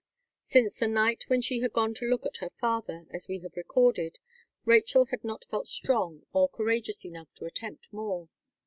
Since the night when she had gone to look at her father, as we have recorded, Rachel had not felt strong or courageous enough to attempt more.